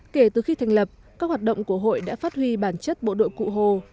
kể từ khi thành lập các hoạt động của hội đã phát huy bản chất bộ đội cụ hồ